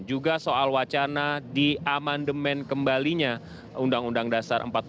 juga soal wacana di amandemen kembalinya undang undang dasar empat puluh lima